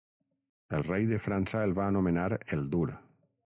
El rei de França el va anomenar "el Dur".